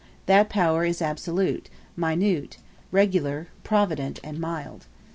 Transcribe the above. That power is absolute, minute, regular, provident, and mild.